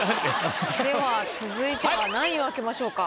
では続いては何位を開けましょうか？